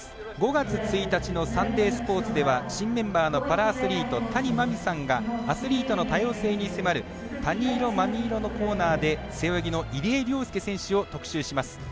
５月１日の「サンデースポーツ」では新メンバーのパラアスリート谷真海さんがアスリートの多様性に迫る谷真海の「たに色まみ色」のコーナーで背泳ぎの入江陵介選手を特集します。